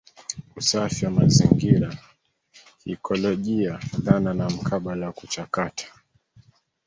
Usafi wa mazingira kiikolojia dhana na mkabala wa kuchakata